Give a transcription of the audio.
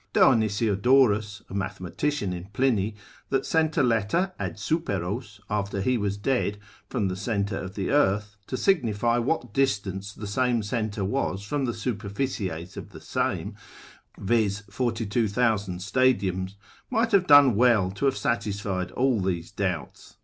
Dionisiodorus, a mathematician in Pliny, that sent a letter, ad superos after he was dead, from the centre of the earth, to signify what distance the same centre was from the superficies of the same, viz. 42,000 stadiums, might have done well to have satisfied all these doubts.